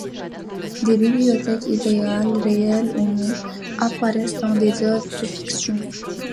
Des bibliothèques idéales, réelles ou non, apparaissent dans des œuvres de fiction.